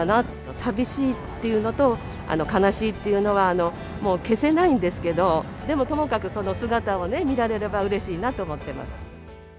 寂しいっていうのと、悲しいっていうのはもう消せないんですけど、でもともかく、その姿をね、見られればうれしいなと思ってます。